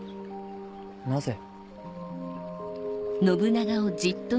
なぜ？